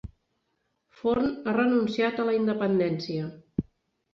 Forn ha renunciat a la independència